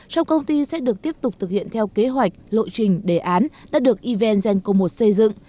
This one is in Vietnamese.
trong công ty sẽ được tiếp tục thực hiện theo kế hoạch lộ trình đề án đã được evn genco một xây dựng